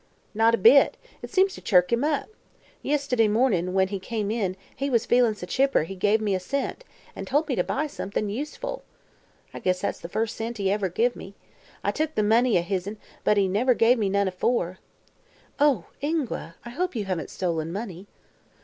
"Not a bit. It seems to chirk him up. Yist'day mornin', when he come in, he was feelin' so chipper he give me a cent, an' told me to buy somethin' useful. I guess that's the first cent he ever give me. I've took money o' his'n, but he never give me none afore." "Oh, Ingua! I hope you haven't stolen money?"